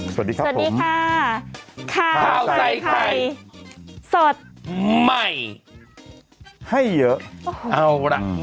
สวัสดีครับสวัสดีค่ะข้าวใส่ไข่สดใหม่ให้เยอะเอาล่ะ